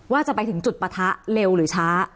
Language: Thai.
ว่าจะไปถึงจุดปะทะเร็วหรือช้า